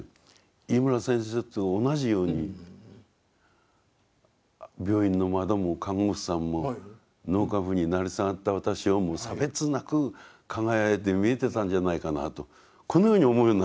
井村先生と同じように病院の窓も看護師さんも納棺夫に成り下がった私をも差別なく輝いて見えてたんじゃないかなとこのように思うようになったんです。